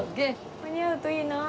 間に合うといいなあ。